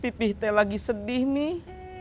pipih teh lagi sedih nih